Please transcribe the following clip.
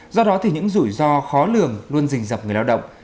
do đó thì những rủi ro khó lường luôn rình dập người lao động